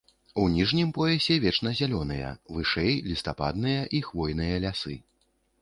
У ніжнім поясе вечназялёныя, вышэй лістападныя і хвойныя лясы.